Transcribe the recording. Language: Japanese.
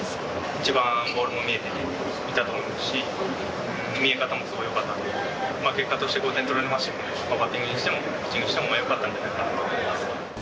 一番ボールも見えていたと思うし、見え方もすごいよかったので、結果として５点取られましたけど、バッティングにしても、ピッチングにしてもよかったんではないかと思います。